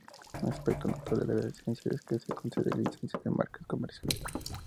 Un aspecto notable de la licencia es que no concede licencia de marcas comerciales.